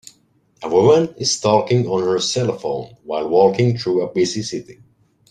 A woman is talking on her cellphone while walking through a busy city